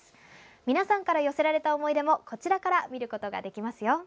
皆さんから寄せられた思い出もこちらから見ることができますよ。